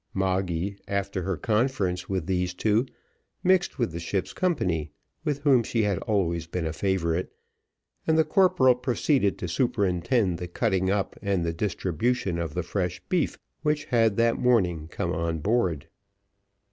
Moggy, after her conference with these two, mixed with the ship's company, with whom she had always been a favourite, and the corporal proceeded to superintend the cutting up and the distribution of the fresh beef which had that morning come on board.